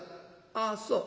「ああそう。